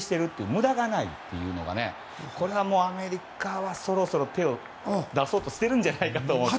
無駄がないというのがこれで、アメリカはそろそろ手を出そうとしているんじゃないかと。